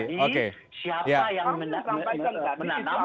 siapa yang menanam